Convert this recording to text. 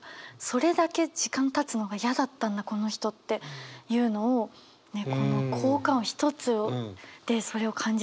それだけ時間たつのが嫌だったんだこの人っていうのをこの効果音一つでそれを感じさせるんだと思いました。